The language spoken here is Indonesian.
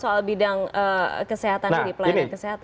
soal bidang kesehatan